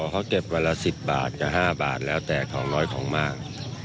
เขาเก็บวันละ๑๐บาทกับ๕บาทแล้วแต่ของน้อยของมาก